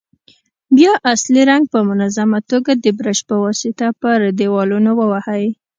بیا اصلي رنګ په منظمه توګه د برش په واسطه پر دېوالونو ووهئ.